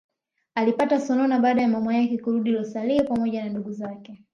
Alipata sonona baada ya mama yake kurudi Rosario pamoja na ndugu zake